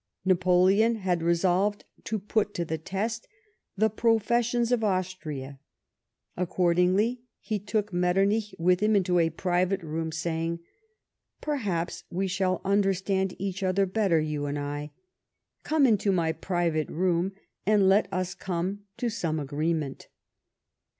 Napoleon had resolved to put to the test the professions of Austria. Accordingly he took Metternich with him into a private room, saying: " Perhaps we shall understand each other better — you and I. Come into my private room, and let us come to some agreement."